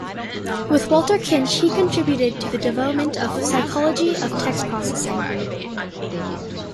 With Walter Kintsch he contributed to the development of the psychology of text processing.